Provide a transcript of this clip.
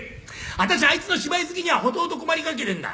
「私はあいつの芝居好きにはほとほと困り果ててんだ。